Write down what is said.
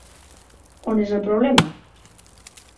On és el problema?